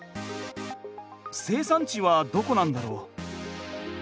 生産地はどこなんだろう。